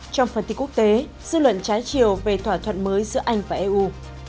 trong phần tin quốc tế dư luận trái chiều về thỏa thuận mới giữa anh và eu